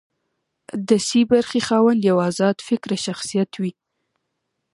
د سي برخې خاوند یو ازاد فکره شخصیت وي.